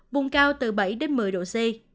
bùng cao từ bảy một mươi độ c